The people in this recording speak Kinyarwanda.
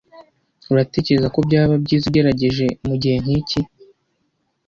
Uratekereza ko byaba byiza ugerageje mu gihe nk'iki? "